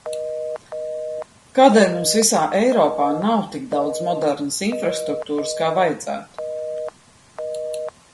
Kādēļ mums visā Eiropā nav tik daudz modernas infrastruktūras, kā vajadzētu?